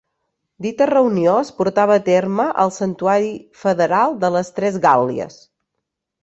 Dita reunió es portava a terme al Santuari federal de les Tres Gàl·lies.